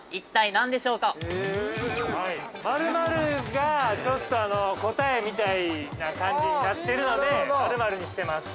◆○○がちょっと答えみたいな感じになってるので○○にしてます。